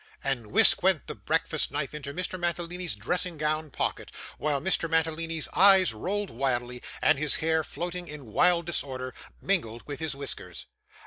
and whisk went the breakfast knife into Mr. Mantalini's dressing gown pocket, while Mr. Mantalini's eyes rolled wildly, and his hair floating in wild disorder, mingled with his whiskers.